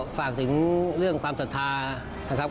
ฝากถึงเรื่องความศรัทธานะครับ